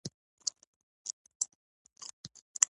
ولې دا نور فدايان چې يې اغوندي.